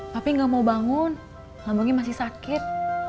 tapi nggak mau bangun lambangnya masih sakit